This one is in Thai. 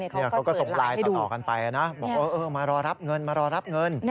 เขาก็ส่งไลน์ต่อกันไปนะบอกว่ามารอรับเงินมารอรับเงิน